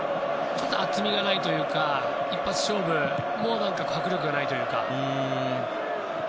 厚みがないというか一発勝負も迫力がないというか。